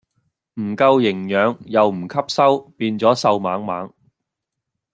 唔夠營養又唔吸收變左瘦猛猛